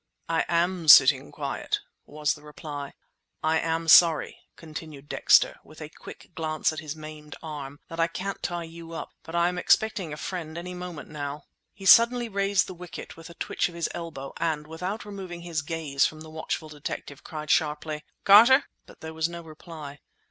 "I am sitting quiet!" was the reply. "I am sorry," continued Dexter, with a quick glance at his maimed arm, "that I can't tie you up, but I am expecting a friend any moment now." He suddenly raised the wicket with a twitch of his elbow and, without removing his gaze from the watchful detective, cried sharply— "Carter!" But there was no reply.